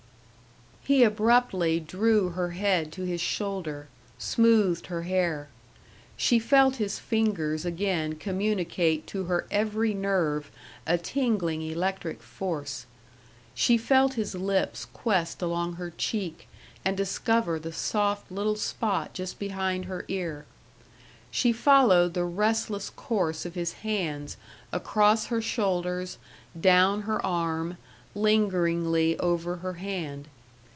He abruptly drew her head to his shoulder, smoothed her hair. She felt his fingers again communicate to her every nerve a tingling electric force. She felt his lips quest along her cheek and discover the soft little spot just behind her ear. She followed the restless course of his hands across her shoulders, down her arm, lingeringly over her hand.